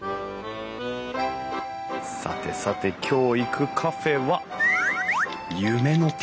さてさて今日行くカフェは。